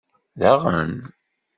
Daɣen?